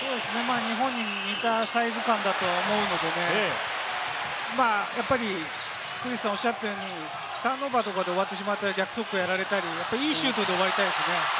日本に似たサイズ感だと思うので、クリスさんがおっしゃったように、ターンオーバーとかで終わってしまって、逆速攻やったり、いいシュートで終わりたいですね。